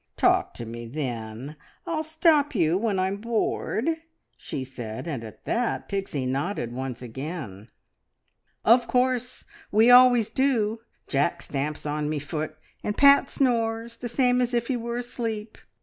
"Talk to me, then. I'll stop you when I'm bored!" she said, and at that Pixie nodded once again. "Of course. We always do. Jack stamps on me foot, and Pat snores, the same as if he were asleep.